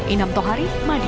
inam thohari madiwi